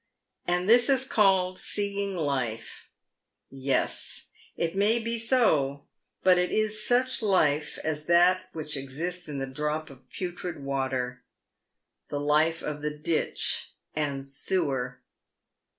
And this is called seeing life !— yes, it may be so, but it is such life as that which exists in the drop of putrid water — the life of the ditch and sewer.